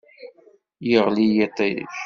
Yeɣli yiṭij.